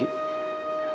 kamu gak bisa berdiri